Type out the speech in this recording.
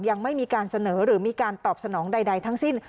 ยังไม่มีการเสนอหรือมีการตอบสนองใดทั้งสิ้น